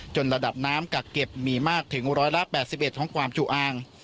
จนระดับน้ำกักเก็บมีมากถึงร้อยละแปดสิบเอ็ดของความจุอาง